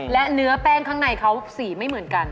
และเนื้อแป้งข้างในเขาสีไม่เหมือนกัน